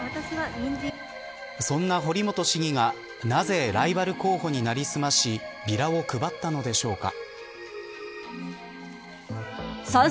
そんな堀本市議がなぜ、ライバル候補になりすましビラを配ったのでしょうか。